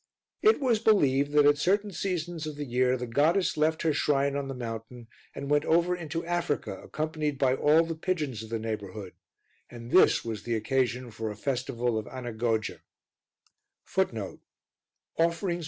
It was believed that at certain seasons of the year the goddess left her shrine on the mountain and went over into Africa accompanied by all the pigeons of the neighbourhood, and this was the occasion for a festival of Anagogia.